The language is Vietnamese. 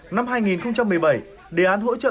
năm hai nghìn một mươi bảy đề án hỗ trợ